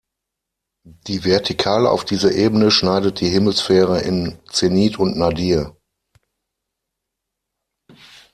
Die Vertikale auf diese Ebene schneidet die Himmelssphäre in Zenit und Nadir.